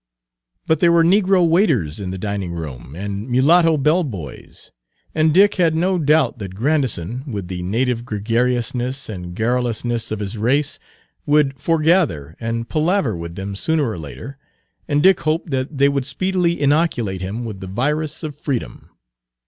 But there were negro waiters in the dining room, and mulatto bell boys, and Dick had no doubt that Grandison, with the native gregariousness and garrulousness of his race, would foregather and palaver with them sooner or later, and Dick hoped that they would speedily inoculate him with the virus of freedom.